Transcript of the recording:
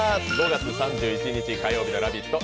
５月３１日火曜日の「ラヴィット！」